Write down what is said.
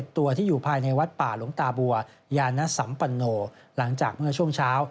ตัวที่อยู่ภายในวัดป่าหลวงตาบัวยานสัมปโนหลังจากเมื่อช่วงเช้า